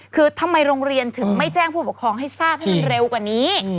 คือทำไมโรงเรียนถึงไม่แจ้งผู้ปกครองให้ทราบให้มันเร็วกว่านี้